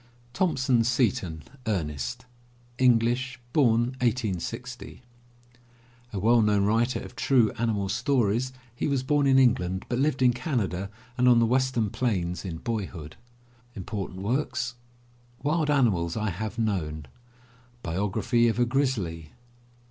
THOMPSON SETON, ERNEST (English, I860 ) A well known writer of true animal stories. He was bom in England but lived in Canada and on the western plains in boyhood. Wild Animals I Have Known. Biography of a Grizzly.